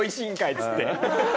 っつって。